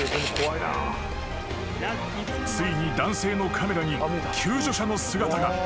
［ついに男性のカメラに救助者の姿が］